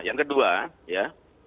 yang kedua ya